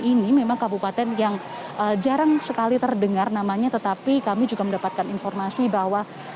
ini memang kabupaten yang jarang sekali terdengar namanya tetapi kami juga mendapatkan informasi bahwa